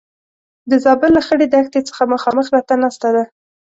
د زابل له خړې دښتې څخه مخامخ راته ناسته ده.